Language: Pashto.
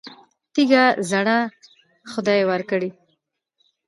تیږه زړه خدای ورکړی.